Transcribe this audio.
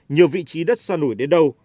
nhiều vị trí đất xa nổi đến đâu